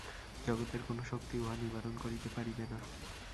জগতের কোন শক্তিই উহা নিবারণ করিতে পারিবে না।